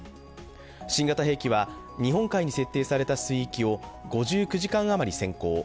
新型兵器は日本海に設定された水域を５９時間余り潜行。